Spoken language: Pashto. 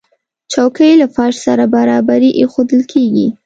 چوکۍ له فرش سره برابرې ایښودل کېږي.